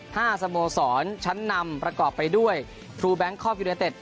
สโมสรชั้นนำประกอบไปด้วยครูแบงคอกยูเนเต็ด